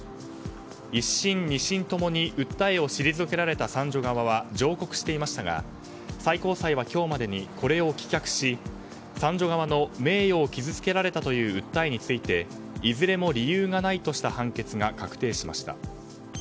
一審、二審共に訴えを退けられた三女側は上告していましたが最高裁は今日までにこれを棄却し三女の名誉を傷つけられたという訴えについていずれも理由がないとした判決が確定しました。